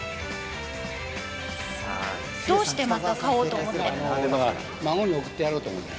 どうしてまた買おうと思った孫に送ってやろうと思って。